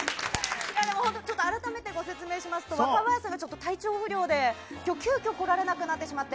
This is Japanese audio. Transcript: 改めてご説明しますと若林さんが体調不良で今日、急きょ来られなくなってしまって。